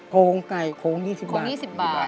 โกงไก่โค้ง๒๐บาท